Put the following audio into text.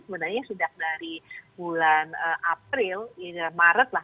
sebenarnya sudah dari bulan april maret lah